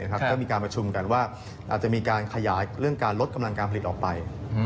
ก็มีการประชุมกันว่าอาจจะมีการขยายเรื่องการลดกำลังการผลิตออกไป